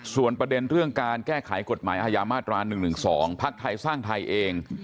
ส่วนประเด็นเรื่องการแก้ไขกฎหมายอม๑๑๒พศไทยเอง